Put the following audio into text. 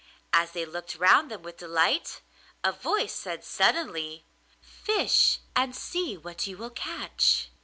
As they looked round them with delight, a voice said suddenly: 'Fish, and see what you will catch.